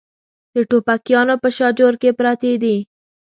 د ټوپکیانو په شاجور کې پرتې دي.